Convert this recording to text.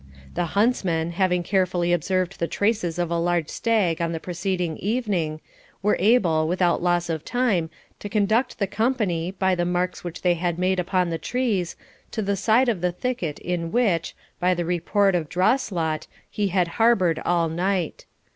The huntsmen, having carefully observed the traces of a large stag on the preceding evening, were able, without loss of time, to conduct the company, by the marks which they had made upon the trees, to the side of the thicket in which, by the report of Drawslot, he had harboured all night.